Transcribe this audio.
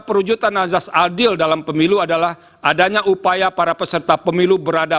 perwujudan azas adil dalam pemilu adalah adanya upaya para peserta pemilu berada